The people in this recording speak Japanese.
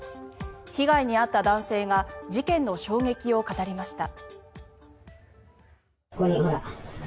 被害に遭った男性が事件の衝撃を語りました。